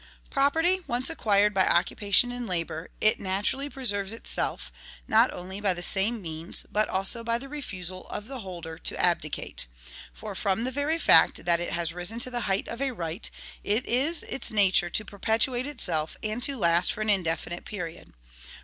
"Property once acquired by occupation and labor, it naturally preserves itself, not only by the same means, but also by the refusal of the holder to abdicate; for from the very fact that it has risen to the height of a right, it is its nature to perpetuate itself and to last for an indefinite period....